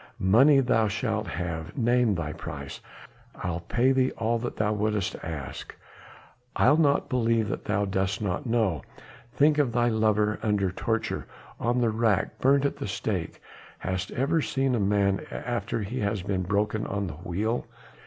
Money thou shalt have. Name thy price. I'll pay thee all that thou wouldst ask. I'll not believe that thou dost not know! Think of thy lover under torture, on the rack, burnt at the stake. Hast ever seen a man after he has been broken on the wheel?